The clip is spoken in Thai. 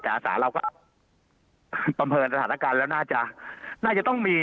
แต่อสตาเรายกต้องได้